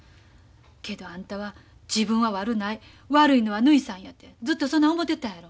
けどあんたは自分は悪ない悪いのはぬひさんやてずっとそない思てたやろ。